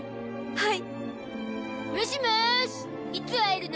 はい。